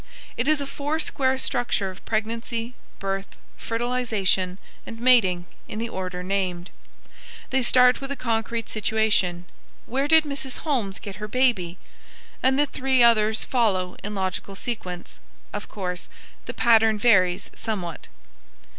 It is a foursquare structure of pregnancy, birth, fertilization, and mating, in the order named. They start with a concrete situation "Where did Mrs. Holmes get her baby?" and the three others follow in logical sequence. Of course, the pattern varies somewhat.